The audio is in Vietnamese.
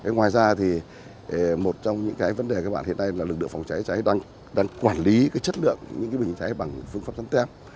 ngoài ra thì một trong những vấn đề các bạn hiện nay là lực lượng phòng cháy cháy đang quản lý chất lượng những bình chữa cháy bằng phương pháp sẵn tem